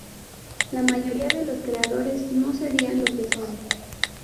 La mayoría de los creadores no serían lo que son